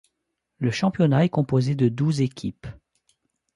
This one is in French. Le championnat est composée de douze équipes.